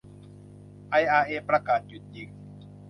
ไออาร์เอประกาศหยุดยิง